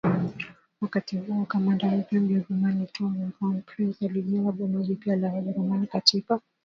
Wakati huo kamanda mpya Mjerumani Tom von Prince alijenga boma jipya la Wajerumani katika